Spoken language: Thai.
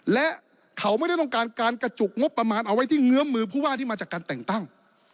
และเขาไม่ได้ต้องการการกระจุกงบประมาณเอาไว้ที่เงื้อมือผู้ว่าที่มาจากการแต่งตั้ง